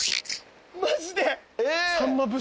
マジで。